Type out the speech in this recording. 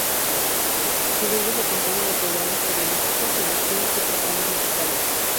Su grilla se compone de programas periodísticos, magazines y programas musicales.